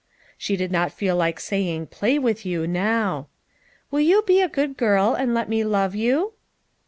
She did not feel like saying " play with you," now. " Will you be a good girl, and let me love you?"